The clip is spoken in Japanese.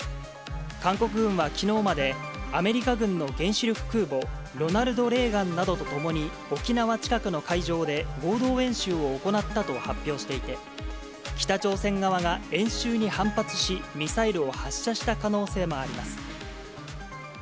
韓国軍はきのうまで、アメリカ軍の原子力空母ロナルド・レーガンなどとともに、沖縄近くの海上で合同演習を行ったと発表していて、北朝鮮側が演習に反発し、ミサイルを発射した可能性もあります。